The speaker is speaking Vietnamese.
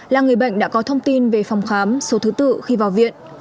là người bệnh đã có thông tin về phòng khám số thứ tự khi vào viện